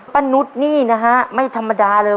นุษย์นี่นะฮะไม่ธรรมดาเลย